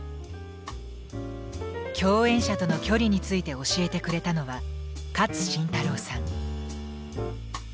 共演者との距離について教えてくれたのは勝新太郎さん。